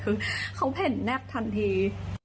คือเขาเห็นแนบทันที